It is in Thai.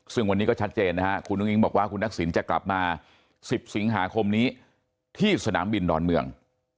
ซึ่งวันนี้ก็ชัดเจนนะฮะคุณอุ้งบอกว่าคุณทักษิณจะกลับมา๑๐สิงหาคมนี้ที่สนามบินดอนเมือง